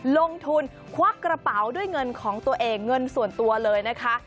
ลงทุนควักกระเป๋าด้วยเงินของตัวเองเงินส่วนตัวเลยนะคะ